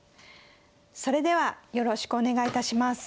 それではよろしくお願いいたします。